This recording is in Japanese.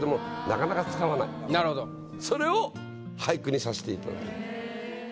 それを俳句にさせていただきました。